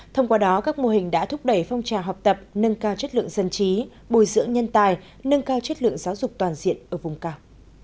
thông qua đó các mô hình đã thúc đẩy phong trào học tập nâng cao chất lượng dân trí bồi dưỡng nhân tài nâng cao chất lượng giáo dục toàn diện ở vùng cao